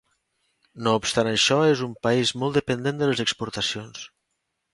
No obstant això és un país molt dependent de les exportacions.